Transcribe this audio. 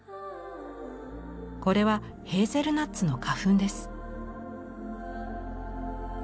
これはヘーゼルナッツの花粉です。